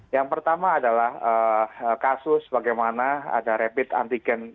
yang pertama adalah kasus bagaimana ada rapid antigen